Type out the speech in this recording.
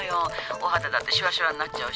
お肌だってしわしわになっちゃうし。